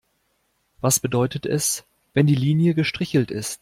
Was bedeutet es, wenn die Linie gestrichelt ist?